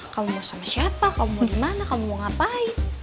kamu mau sama siapa kamu mau dimana kamu mau ngapain